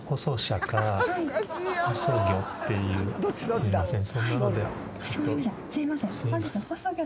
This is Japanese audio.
すいません。